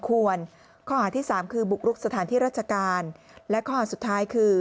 ควรข้อหาที่สามคือบุกรุกสถานที่ราชการและข้อหาสุดท้ายคือ